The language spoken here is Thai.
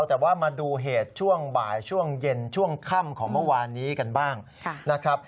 แต่ว่ามาดูเหตุช่วงบ่ายช่วงเย็นช่วงค่ำของเมื่อวานนี้กันบ้างนะครับ